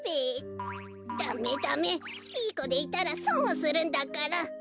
ダメダメいいこでいたらそんをするんだから！